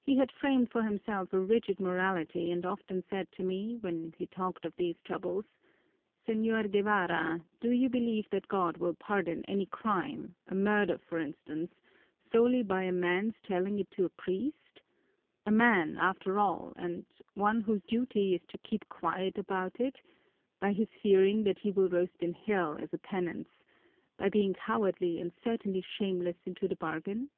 He had framed for himself a rigid morality and often said to me, when he talked of these troubles, 'Señor Guevara, do you believe that God will pardon any crime, a murder for instance, solely by a man's telling it to a priest a man after all and one whose duty it is to keep quiet about it by his fearing that he will roast in hell as a penance by being cowardly and certainly shameless into the bargain?